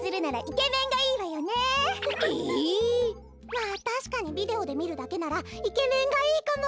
まあたしかにビデオでみるだけならイケメンがいいかも！